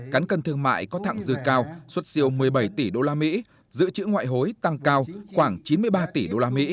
cán cân thương mại có thẳng dư cao xuất siêu một mươi bảy tỷ usd dự trữ ngoại hối tăng cao khoảng chín mươi ba tỷ usd